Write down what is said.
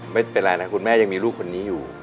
ไม่เป็นไรนะคุณแม่ยังมีลูกคนนี้อยู่